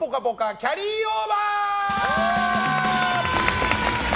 キャリーオーバー。